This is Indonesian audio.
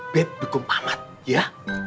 beb dukung pak mat ya